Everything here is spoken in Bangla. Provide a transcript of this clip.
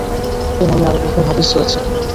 এ মর্মে আরো বহু হাদীস রয়েছে।